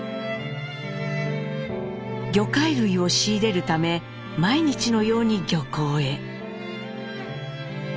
魚介類を仕入れるため毎日のように漁港へ。